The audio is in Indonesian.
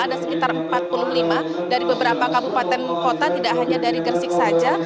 ada sekitar empat puluh lima dari beberapa kabupaten kota tidak hanya dari gersik saja